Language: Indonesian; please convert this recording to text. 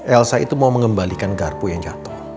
elsa itu mau mengembalikan garpu yang jatuh